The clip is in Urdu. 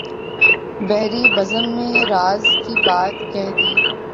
بھری بزم میں راز کی بات کہہ دی